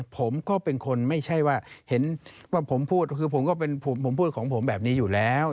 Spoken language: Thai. ผมก็เป็นคนไม่ใช่ว่าเห็นว่าผมพูดของผมแบบนี้อยู่แล้ว